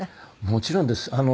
もちろんです。